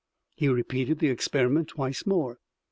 He repeated the experiment twice more.